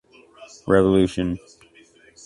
Revolution.